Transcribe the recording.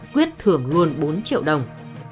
quyết thưởng luôn bốn triệu đồng